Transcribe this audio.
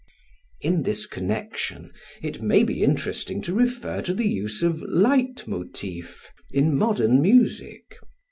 In this connection it may be interesting to refer to the use of the "leit motiv" in modern music.